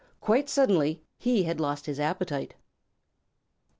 Quite suddenly he had lost his appetite.